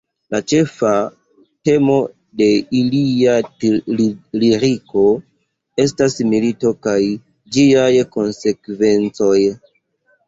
La ĉefa temo de ilia liriko estas milito kaj ĝiaj konsekvencoj.